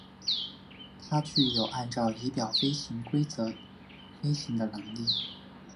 它具有按照仪表飞行规则飞行的能力。